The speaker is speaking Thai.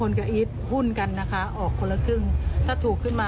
แน่นอนนะ